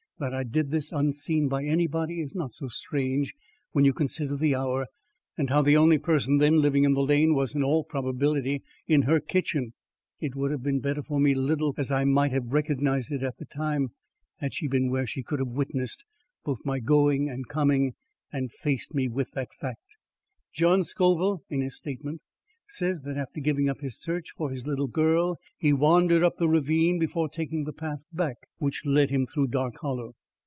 That I did this unseen by anybody is not so strange when you consider the hour, and how the only person then living in the lane was, in all probability, in her kitchen. It would have been better for me, little as I might have recognised it at the time, had she been where she could have witnessed both my going and coming and faced me with the fact. John Scoville, in his statement, says that after giving up his search for his little girl, he wandered up the ravine before taking the path back which led him through Dark Hollow.